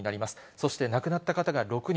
そして亡くなった方が６人。